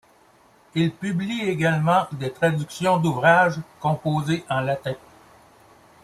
Il publie également des traductions d'ouvrages composés en latin.